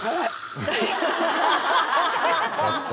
ハハハハハ！